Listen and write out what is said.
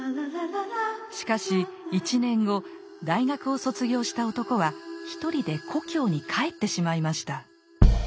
しかし１年後大学を卒業した男は一人で故郷に帰ってしまいました。